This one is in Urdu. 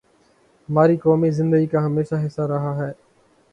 ہماری قومی زندگی کا ہمیشہ حصہ رہا ہے۔